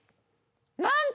なんと。